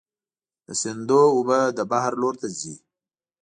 د سیندونو اوبه د بحر لور ته ځي.